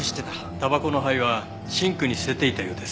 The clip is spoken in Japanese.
タバコの灰はシンクに捨てていたようです。